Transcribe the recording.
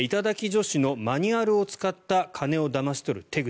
頂き女子のマニュアルを使った金をだまし取る手口。